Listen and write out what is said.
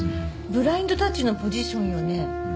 ブラインドタッチのポジションよね？